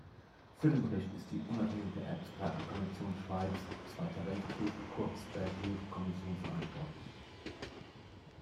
Für den Bericht ist die Unabhängige Expertenkommission Schweiz–Zweiter Weltkrieg, kurz Bergier-Kommission, verantwortlich.